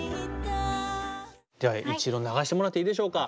では一度流してもらっていいでしょうか？